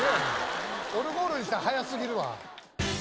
オルゴールにしたら速過ぎるわ。